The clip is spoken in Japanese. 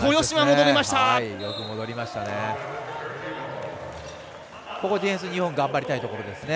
ディフェンスは日本が頑張りたいところですね。